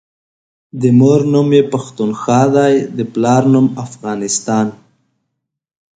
دمور نوم يی پښتونخوا دی دپلار افغانستان